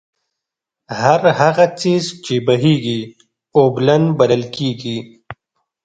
هر هغه څيز چې بهېږي، اوبلن بلل کيږي